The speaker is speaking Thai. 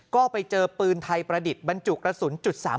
ก็ไปเจอปืนไทยประดิษฐ์บรรจุกระสุน๓๓